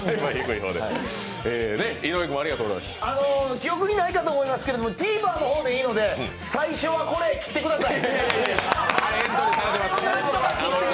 記憶にないかと思いますけどＴＶｅｒの方でいいので「最初はこれ」切ってください。